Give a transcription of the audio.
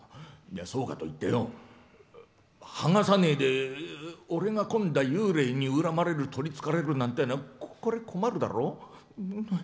そうかといってよ、はがさねえで俺が今度は幽霊に恨まれる、とりつかれるなんてこれ困るだろ？